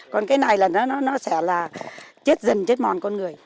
còn cái này là nó sẽ là chết dần chết mòn con người